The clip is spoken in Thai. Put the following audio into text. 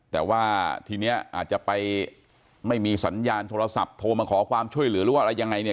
แต่ว่าทีนี้อาจจะไปไม่มีสัญญาณโทรศัพท์โทรมาขอความช่วยเหลือหรือว่าอะไรยังไงเนี่ย